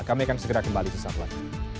kami akan segera kembali sesaat lagi